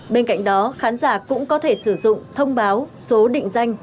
bên cạnh đó khán giả cũng có thể sử dụng thông báo số định danh